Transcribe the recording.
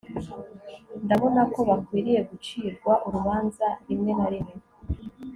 ndabona ko bakwiriye gucirwa urubanza. rimwe na rimwe